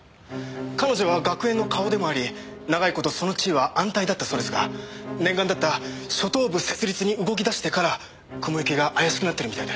彼女は学園の顔でもあり長い事その地位は安泰だったそうですが念願だった初等部設立に動き出してから雲行きが怪しくなってるみたいで。